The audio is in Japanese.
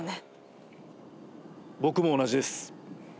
僕も同じです。